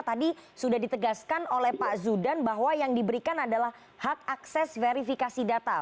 tadi sudah ditegaskan oleh pak zudan bahwa yang diberikan adalah hak akses verifikasi data